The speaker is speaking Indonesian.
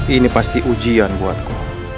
ini pasti ujian buatku